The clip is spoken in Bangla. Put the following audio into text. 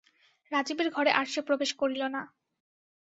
রাজীবের ঘরে আর সে প্রবেশ করিল না।